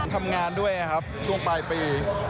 ทำงานด้วยครับช่วงปลายปี